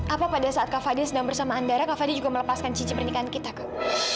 apa pada saat kak fadil sedang bersama andara kak fadil juga melepaskan cici pernikahan kita kak